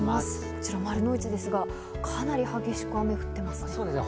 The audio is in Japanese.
こちら丸の内ですが、かなり激しく雨が降ってますね。